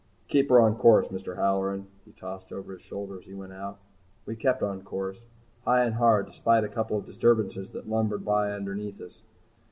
"Keep her on course, Mr. Halloran," he tossed over his shoulder as he went out. We kept on course high and hard despite a couple of disturbances that lumbered by underneath us.